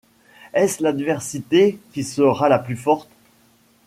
Est-ce l'adversité qui sera la plus forte ?